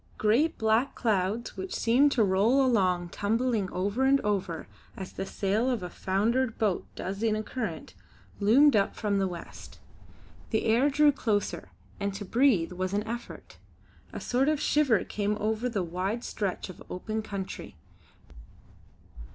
Great black clouds which seemed to roll along tumbling over and over, as the sail of a foundered boat does in a current, loomed up from the west. The air grew closer, and to breathe was an effort. A sort of shiver came over the wide stretch of open country.